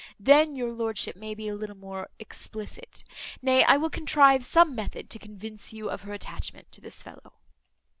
Then your lordship may be a little more explicit. Nay, I will contrive some method to convince you of her attachment to this fellow."